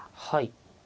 はい。